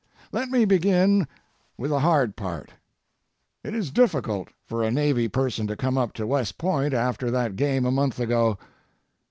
Let me begin with the hard part: It is difficult for a Navy person to come up to West Point after that game a month ago.